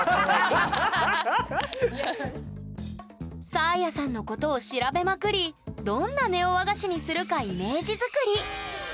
サーヤさんのことを調べまくりどんなネオ和菓子にするかイメージ作り！